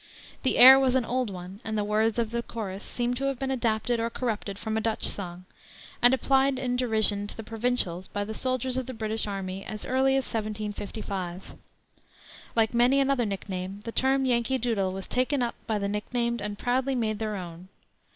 The air was an old one, and the words of the chorus seem to have been adapted or corrupted from a Dutch song, and applied in derision to the Provincials by the soldiers of the British army as early as 1755. Like many another nickname, the term Yankee Doodle was taken up by the nicknamed and proudly made their own.